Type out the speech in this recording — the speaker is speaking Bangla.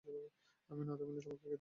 আমি না থাকিলে তোমাকে কে দেখিবে?